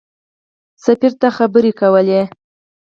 سفیر ته خبرې کولې.